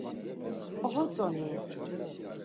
Oxotzonui?